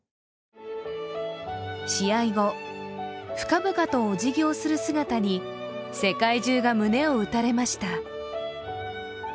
試合後、深々とおじぎをする姿に世界中が胸を打たれました。